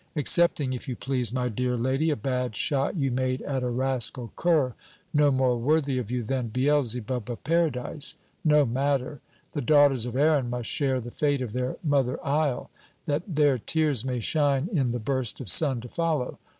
Excepting, if you please, my dear lady, a bad shot you made at a rascal cur, no more worthy of you than Beelzebub of Paradise. No matter! The daughters' of Erin must share the fate of their mother Isle, that their tears may shine in the burst of sun to follow.